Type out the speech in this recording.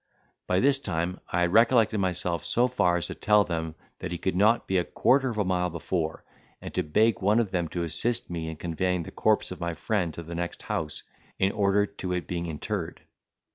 By this time I had recollected myself so far as to tell them that he could not be a quarter of a mile before; and to beg one of them to assist me in conveying the corpse of my friend to the next house, in order to it being interred.